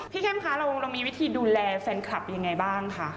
เข้มคะเรามีวิธีดูแลแฟนคลับยังไงบ้างคะ